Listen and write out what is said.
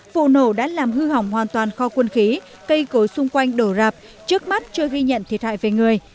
vụ nổ đã làm hư hỏng hoàn toàn kho quân khí cây cối xung quanh đổ rạp trước mắt chưa ghi nhận thiệt hại về người